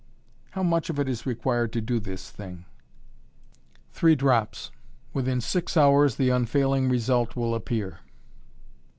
"How much of it is required to do this thing?" "Three drops. Within six hours the unfailing result will appear."